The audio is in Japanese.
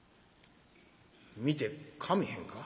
「見てかまへんか？」。